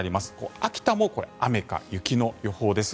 秋田も雨か雪の予報です。